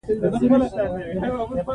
په افغانستان کې د دښتې منابع شته.